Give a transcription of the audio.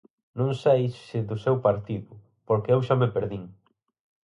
Non sei se do seu partido, porque eu xa me perdín.